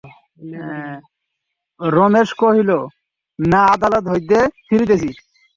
রমেশ কহিল, না, আদালত হইতে ফিরিতেছি।